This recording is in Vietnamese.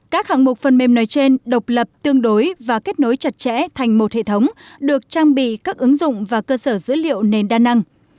các hạng mục phần mềm nói trên độc lập tương đối và kết nối chặt chẽ thành một hệ thống được trang bị các ứng dụng và cơ sở dữ liệu nền đa năng